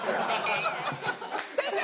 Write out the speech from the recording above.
先生！